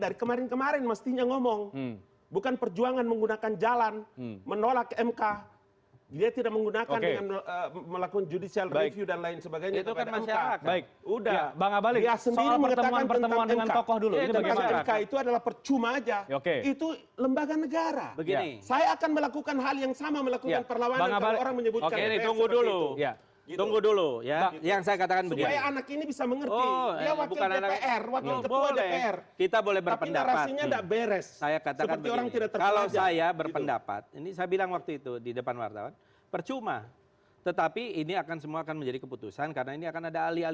itu ada pernyataannya